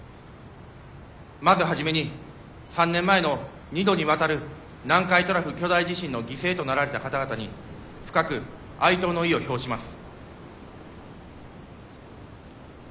まず初めに３年前の２度にわたる南海トラフ巨大地震の犠牲となられた方々に深く哀悼の意を表します。